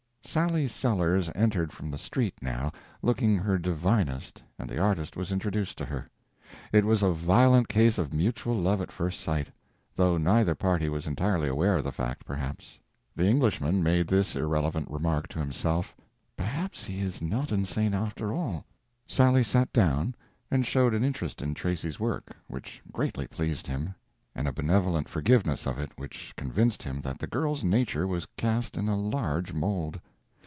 Sally Sellers entered from the street, now, looking her divinest, and the artist was introduced to her. It was a violent case of mutual love at first sight, though neither party was entirely aware of the fact, perhaps. The Englishman made this irrelevant remark to himself, "Perhaps he is not insane, after all." Sally sat down, and showed an interest in Tracy's work which greatly pleased him, and a benevolent forgiveness of it which convinced him that the girl's nature was cast in a large mould.